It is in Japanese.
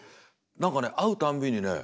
何かね会うたんびにね